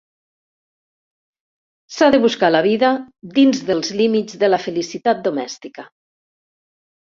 S'ha de buscar la vida dins dels límits de la felicitat domèstica.